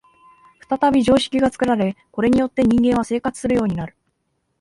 再び常識が作られ、これによって人間は生活するようになる。